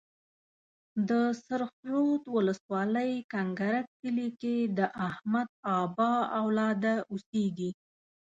د سرخ رود ولسوالۍ کنکرک کلي کې د احمدآبا اولاده اوسيږي.